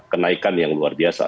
kenaikan yang luar biasa